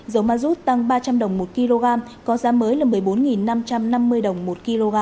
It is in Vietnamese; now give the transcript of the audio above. dầu ma rút tăng ba trăm linh đồng một kg có giá mới là một mươi bốn năm trăm năm mươi đồng một kg